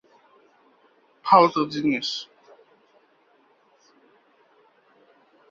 প্রকৃত উভলিঙ্গ হচ্ছে যখন একই শরীরে স্ত্রী এবং পুরুষ যৌনাঙ্গের সহাবস্থান থাকে।